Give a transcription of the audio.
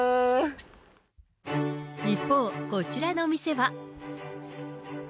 一方、こちらのお店は。